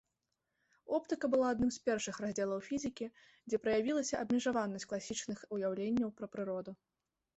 Оптыка была адным з першых раздзелаў фізікі, дзе праявілася абмежаванасць класічных уяўленняў пра прыроду.